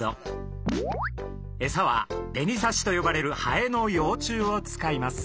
エサは紅サシと呼ばれるハエの幼虫を使います。